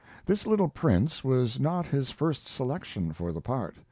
This little prince was not his first selection for the part.